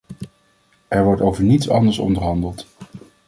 Er wordt over niets anders onderhandeld.